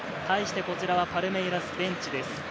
対してこちらはパルメイラスベンチです。